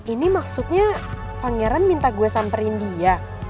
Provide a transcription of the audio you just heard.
ini maksudnya pangeran minta gue samperin dia